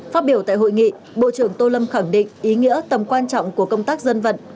phát biểu tại hội nghị bộ trưởng tô lâm khẳng định ý nghĩa tầm quan trọng của công tác dân vận